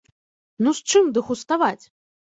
Ну з чым дэгуставаць?